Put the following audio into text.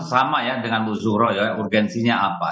sama ya dengan muzuhro ya urgensinya apa